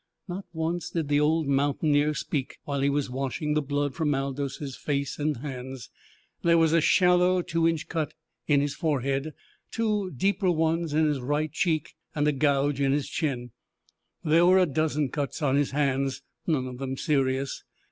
Not once did the old mountaineer speak while he was washing the blood from Aldous' face and hands. There was a shallow two inch cut in his forehead, two deeper ones in his right cheek, and a gouge in his chin. There were a dozen cuts on his hands, none of them serious.